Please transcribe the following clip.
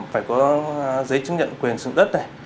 phải có giấy chứng nhận quyền sử dụng đất này